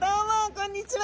こんにちは。